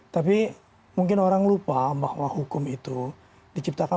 tapi mungkin orang lupa bahwa hukum itu diciptakan